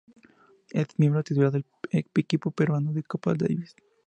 Es miembro titular del equipo peruano de Copa Davis.